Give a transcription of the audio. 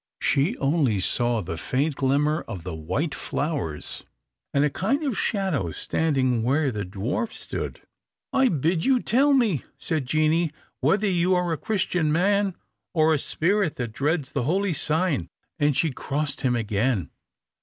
She only saw the faint glimmer of the white flowers, and a kind of shadow standing where the dwarf stood. "I bid you tell me," said Jeanie, "whether you are a Christian man, or a spirit that dreads the holy sign," and she crossed him again.